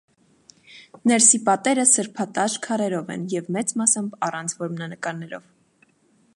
Ներսի պատերը սրբատաշ քարերով են եւ մեծ մասամբ՝ առանց որմնանկարներով։